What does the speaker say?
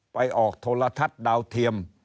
ไปออกโทรทัศน์ดาวเทียม